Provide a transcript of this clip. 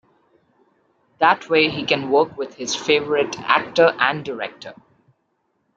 That way he can work with his favorite actor and director.